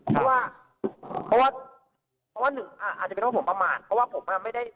เพราะว่าเพราะว่าหนึ่งอ่ะอาจจะเป็นว่าผมประมาณเพราะว่าผมอ่ะไม่ได้